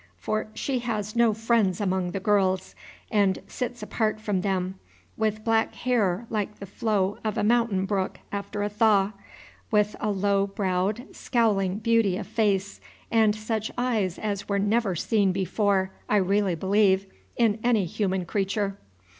for she has no friends among the girls, and sits apart from them, with black hair like the flow of a mountain brook after a thaw, with a low browed, scowling beauty of face, and such eyes as were never seen before, I really believe, in any human creature.